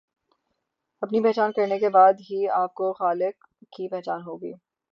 اپنی پہچان کرنے کے بعد ہی آپ کو خالق کی پہچان ہوگی۔